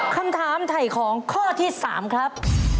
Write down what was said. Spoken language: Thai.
คำถามไถ่ของข้อที่๓ครับ